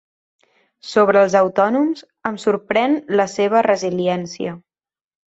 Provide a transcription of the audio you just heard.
Sobre els autònoms, em sorprèn la seva resiliència.